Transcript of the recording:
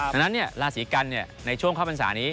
เพราะฉะนั้นราศีกรรณ์ในช่วงข้อมันศาลนี้